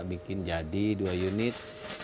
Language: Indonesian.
bikin jadi dua unit